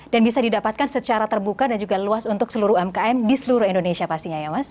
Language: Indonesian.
dan bisa didapatkan secara terbuka dan juga luas untuk seluruh umkm di seluruh indonesia pastinya ya mas